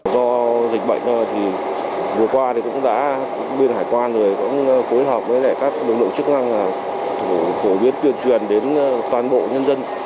do dịch bệnh vừa qua biên hải quan cũng phối hợp với các đồng đội chức năng phổ biến tuyên truyền đến toàn bộ nhân dân